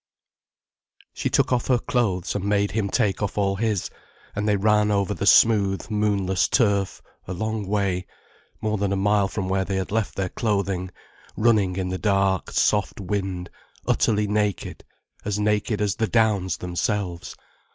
She took off her clothes, and made him take off all his, and they ran over the smooth, moonless turf, a long way, more than a mile from where they had left their clothing, running in the dark, soft wind, utterly naked, as naked as the downs themselves.